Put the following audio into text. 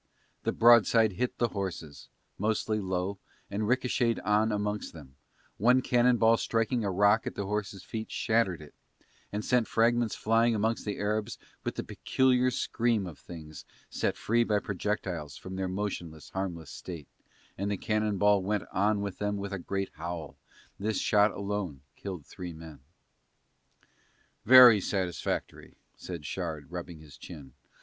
The broadside hit the horses, mostly low, and ricochetted on amongst them; one cannon ball striking a rock at the horses' feet shattered it and sent fragments flying amongst the Arabs with the peculiar scream of things set free by projectiles from their motionless harmless state, and the cannon ball went on with them with a great howl, this shot alone killed three men. "Very satisfactory," said Shard rubbing his chin.